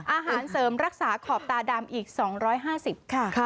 อาหารเสริมรักษาขอบตาดำอีก๒๕๐ค่ะ